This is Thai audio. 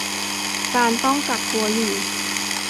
การต้องกักตัวอยู่